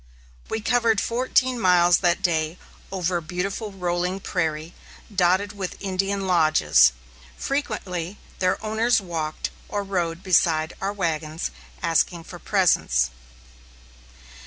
We covered fourteen miles that day over a beautiful rolling prairie, dotted with Indian lodges. Frequently their owners walked or rode beside our wagons, asking for presents.